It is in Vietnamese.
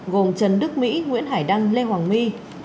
gồm trần đức mỹ nguyễn hải đăng lê hoàng huy